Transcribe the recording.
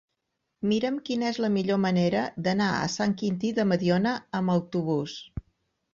Mira'm quina és la millor manera d'anar a Sant Quintí de Mediona amb autobús.